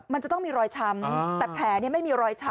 มันจะต้องมีรอยช้ำแต่แผลไม่มีรอยช้ำ